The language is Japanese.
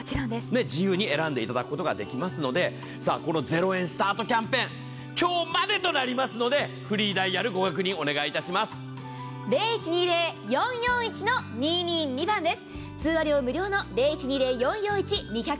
自由に選んでいただくことができますので、この０円スタートキャンペーン、今日までとなりますのでフリーダイヤルご確認お願いいたします。